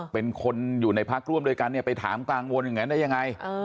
เป็นคนอยู่ในพักร่วมด้วยกันเนี่ยไปถามกลางวนอย่างนั้นได้ยังไง